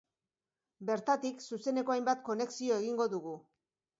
Bertatik zuzeneko hainbat konexio egingo dugu.